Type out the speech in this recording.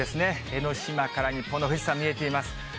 江の島から日本の富士山、見えています。